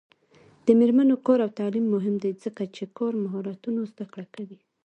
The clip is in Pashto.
د میرمنو کار او تعلیم مهم دی ځکه چې کار مهارتونو زدکړه کوي.